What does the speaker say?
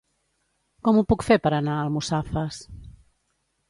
Com ho puc fer per anar a Almussafes?